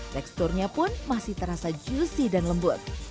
teksturnya pun masih terasa juicy dan lembut